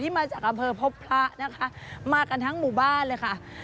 มาจากอำเภอพบพระนะคะมากันทั้งหมู่บ้านเลยค่ะ